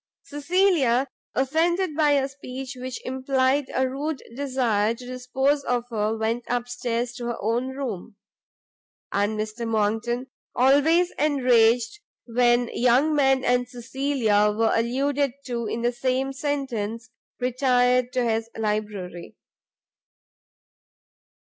Cecilia, offended by a speech which implied a rude desire to dispose of her, went up stairs to her own room; and Mr Monckton, always enraged when young men and Cecilia were alluded to in the same sentence, retired to his library.